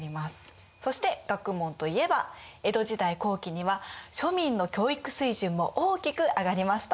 そして学問といえば江戸時代後期には庶民の教育水準も大きく上がりました。